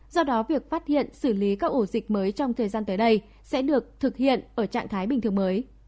do đó việc phát hiện xử lý các ổ dịch mới trong thời gian tới đây sẽ được thực hiện ở trạng thái bình thường mới